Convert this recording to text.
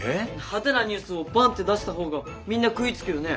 派手なニュースをバンッて出した方がみんな食いつくよね？